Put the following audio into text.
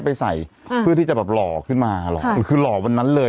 ไปใส่เพื่อที่จะแบบหล่อขึ้นมาหล่อคือหล่อวันนั้นเลย